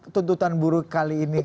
tuntutan buruh kali ini